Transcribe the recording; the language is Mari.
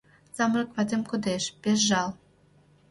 Самырык ватем кодеш — пеш жал.